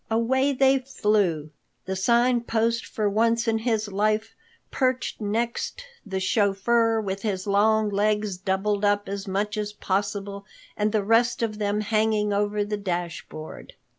Away they flew, the Sign Post for once in his life perched next the chauffeur with his long legs doubled up as much as possible and the rest of them hanging over the dashboard.